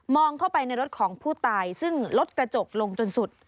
เข้าไปในรถของผู้ตายซึ่งลดกระจกลงจนสุด